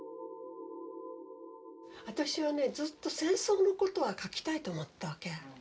私はねずっと戦争のことは書きたいと思ってたわけ。